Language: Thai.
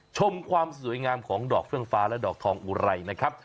ชมความสวยงามของดอกเฟื่องฟ้าและดอกทองอุไรนะครับ